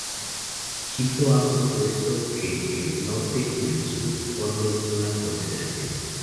Egipto ha propuesto que el Norte y el Sur formen una confederación.